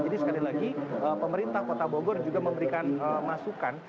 jadi sekali lagi pemerintah kota bogor juga memberikan masukan